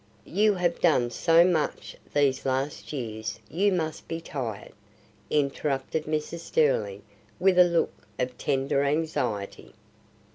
You have done so much these last years you must be tired," interrupted Mrs. Sterling, with a look of tender anxiety.